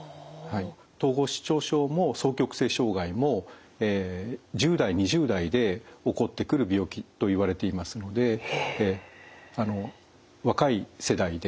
統合失調症も双極性障害も１０代２０代で起こってくる病気といわれていますので若い世代で出てくる病気になります。